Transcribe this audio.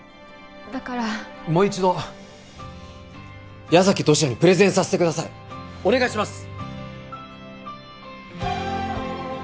だからもう一度矢崎十志也にプレゼンさせてくださいお願いします